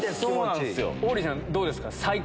王林さんどうですか？